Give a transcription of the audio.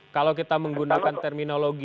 kalau kita menggunakan terminologi